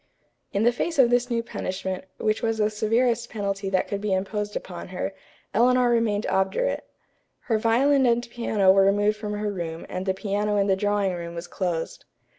In the face of this new punishment, which was the severest penalty that could be imposed upon her, Eleanor remained obdurate. Her violin and piano were removed from her room and the piano in the drawing room was closed.